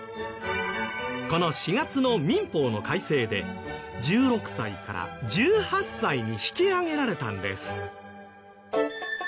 この４月の民法の改正で１６歳から１８歳に引き上げられたんです。